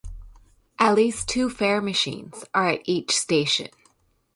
At least two fare machines are at each station.